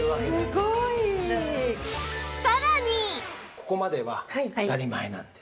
ここまでは当たり前なんです。